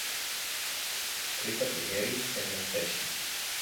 Три пати мери, еднаш сечи.